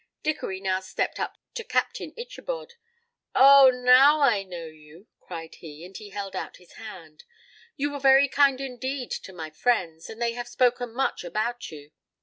Dickory now stepped up to Captain Ichabod. "Oh, now I know you," cried he, and he held out his hand. "You were very kind indeed to my friends, and they have spoken much about you.